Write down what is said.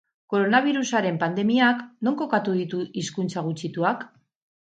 Koronabirusaren pandemiak, non kokatu ditu hizkuntza gutxituak?